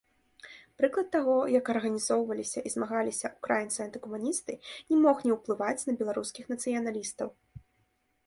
Прыклад таго, як арганізоўваліся і змагаліся ўкраінцы-антыкамуністы, не мог не ўплываць на беларускіх нацыяналістаў.